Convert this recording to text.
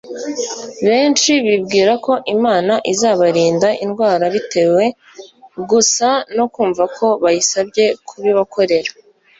benshi bibwira ko imana izabarinda indwara bitewe gusa no kumva ko bayisabye kubibakorera